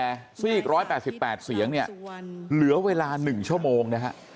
แต่สส๑๘๘เสียงเหลือเวลา๑ชั่วโมง